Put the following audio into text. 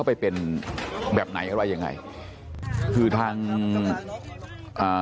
พตรพูดถึงเรื่องนี้ยังไงลองฟังกันหน่อยค่ะ